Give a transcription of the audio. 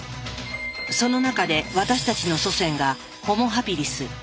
その中で私たちの祖先がホモ・ハビリス。